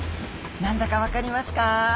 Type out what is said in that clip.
何だかわかりますか？